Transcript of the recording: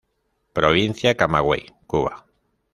Provincia Camagüey, Cuba.